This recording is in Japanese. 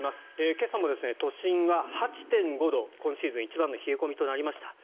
今朝も都心は８．５度今シーズン一番の冷え込みとなりました。